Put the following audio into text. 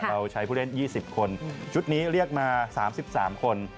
เราใช้ผู้เล่น๒๐คนชุดนี้เรียกมา๓๓คน